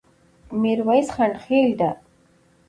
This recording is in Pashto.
ميرويس ځنډيخيل ډه